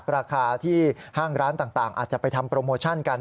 ราคาที่ห้างร้านต่างอาจจะไปทำโปรโมชั่นกัน